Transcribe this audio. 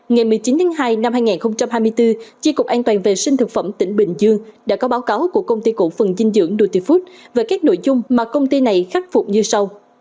ngày một mươi chín tháng hai năm hai nghìn hai mươi bốn chi cục an toàn vệ sinh thực phẩm tỉnh bình dương đã có báo cáo của công ty cổ phần dinh dưỡng nutifood về các nội dung mà công ty này khắc phục như sau